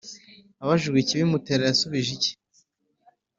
Abajijwe ikibimutera yasubije iki?